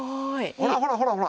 ほらほらほらほら！